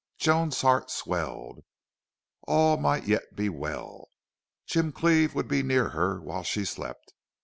Joan's heart swelled. All might yet be well. Jim Cleve would be near her while she slept.